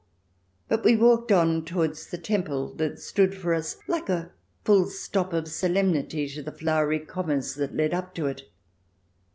But we walked on towards the Temple that stood for us like a full stop of solemnity to the flowery commas that led up to it.